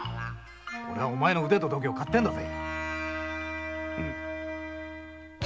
俺はお前の腕と度胸をかってんだぜ。